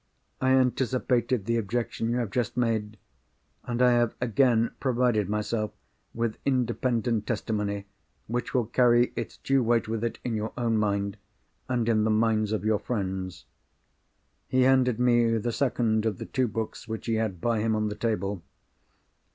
I anticipated the objection you have just made: and I have again provided myself with independent testimony which will carry its due weight with it in your own mind, and in the minds of your friends." He handed me the second of the two books which he had by him on the table.